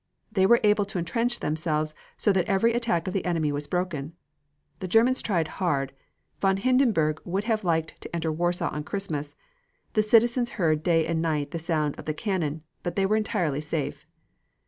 They were able to entrench themselves so that every attack of the enemy was broken. The Germans tried hard. Von Hindenburg would have liked to enter Warsaw on Christmas. The citizens heard day and night the sound of the cannon, but they were entirely safe.